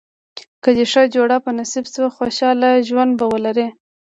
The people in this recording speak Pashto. که دې ښه جوړه په نصیب شوه خوشاله ژوند به ولرې.